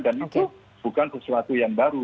dan itu bukan sesuatu yang baru